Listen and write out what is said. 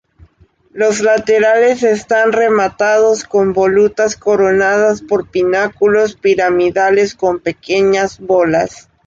Los laterales están rematados con volutas coronadas por pináculos piramidales con pequeñas bolas.